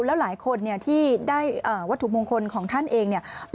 แล้วหลายคนที่ได้วัตถุมงคลของท่านเอง